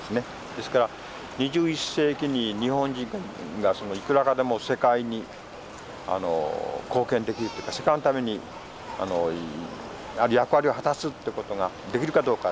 ですから２１世紀に日本人がいくらかでも世界に貢献できるというか世界のためにある役割を果たすってことができるかどうか。